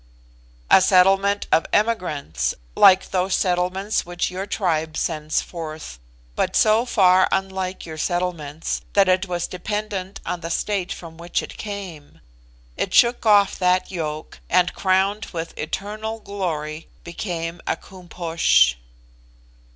"A settlement of emigrants like those settlements which your tribe sends forth but so far unlike your settlements, that it was dependent on the state from which it came. It shook off that yoke, and, crowned with eternal glory, became a Koom Posh."